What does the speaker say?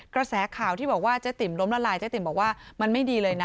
กระแสข่าวที่บอกว่าเจ๊ติ๋มล้มละลายเจ๊ติ๋มบอกว่ามันไม่ดีเลยนะ